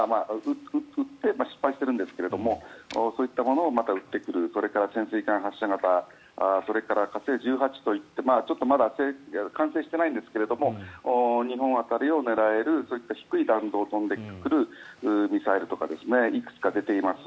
撃って失敗しているんですがそういったものをまた撃ってくるそれから潜水艦発射型それから火星１８といってまだ完成していないんですが日本辺りを狙えるそういった低い弾道を飛んでくるミサイルとかいくつか出ています。